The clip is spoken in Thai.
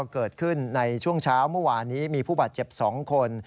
เกิดขึ้นในช่วงเช้าเมื่อวานนี้มีผู้บาดเจ็บ๒คน